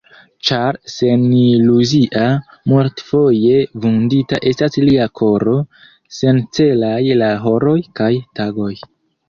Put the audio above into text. Ĉar seniluzia, multfoje vundita estas lia koro, sencelaj la horoj kaj tagoj.